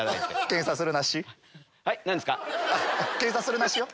検査するなっしよ。